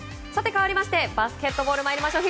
かわりましてバスケットボール参りましょう。